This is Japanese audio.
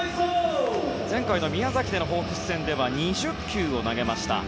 前回の宮崎でのホークス戦では２０球を投げました。